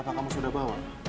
apa kamu sudah bawa